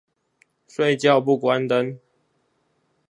睡覺不關燈